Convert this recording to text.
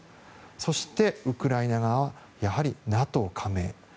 そして、ウクライナ側はやはり、ＮＡＴＯ加盟。